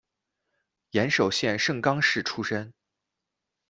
岩手县盛冈市出身。